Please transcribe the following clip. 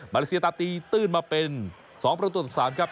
เลเซียตาตีตื้นมาเป็น๒ประตูต่อ๓ครับ